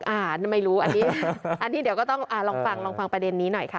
อันนี้ไม่รู้อันนี้อันนี้เดี๋ยวก็ต้องลองฟังลองฟังประเด็นนี้หน่อยค่ะ